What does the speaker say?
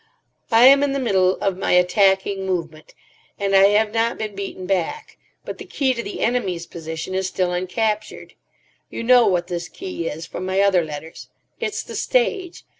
I am in the middle of my attacking movement, and I have not been beaten back; but the key to the enemy's position is still uncaptured. You know what this key is from my other letters. It's the stage.